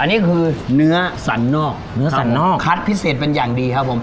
อันนี้คือเนื้อสันนอกเนื้อสันนอกคัดพิเศษเป็นอย่างดีครับผม